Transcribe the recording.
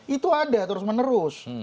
itu ada terus menerus